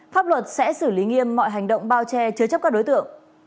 pháp luật sẽ xử lý nghiêm mọi hành động bao che chứa chấp các đối tượng